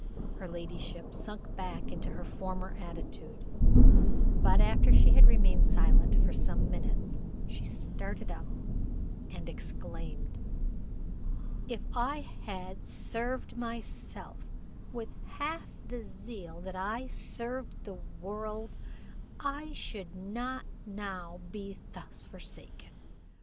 Her ladyship sunk back into her former attitude; but after she had remained silent for some minutes, she started up and exclaimed "If I had served myself with half the zeal that I have served the world, I should not now be thus forsaken!